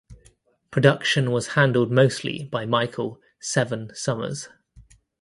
Production was handled mostly by Michael "Seven" Summers.